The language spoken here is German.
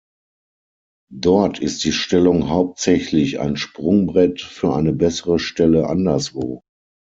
Dort ist die Stellung hauptsächlich ein Sprungbrett für eine bessere Stelle anderswo.